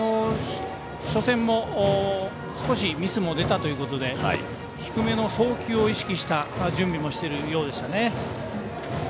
初戦も少しミスも出たということで低めの送球を意識した準備もしているようでしたね。